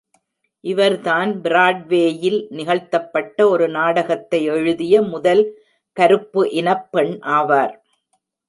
இவர்தான் பிராட்வேயில் நிகழ்த்தப்பட்ட ஒரு நாடகத்தை எழுதிய முதல் கருப்பு இனப் பெண் ஆவார்.